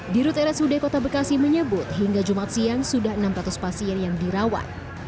di rute rsud kota bekasi menyebut hingga jumat siang sudah enam ratus pasien yang dirawat